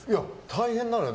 大変なのよ。